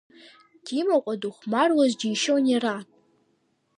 Димаҟәа дыхәмаруаз џьишьон иара.